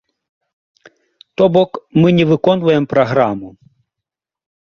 То бок мы не выконваем праграму.